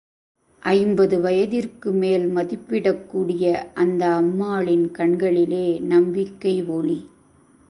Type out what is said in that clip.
ஐம்பது வயதிற்குமேல் மதிப்பிடக்கூடிய அந்த அம்மாளின் கண்களிலே நம்பிக்கையொளி.